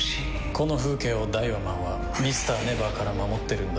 この風景をダイワマンはＭｒ．ＮＥＶＥＲから守ってるんだ。